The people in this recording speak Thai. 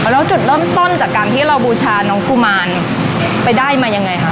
แล้วจุดเริ่มต้นจากการที่เราบูชาน้องกุมารไปได้มายังไงคะ